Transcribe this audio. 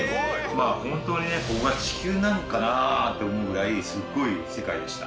本当にここが地球なんかなって思うぐらいすごい世界でした。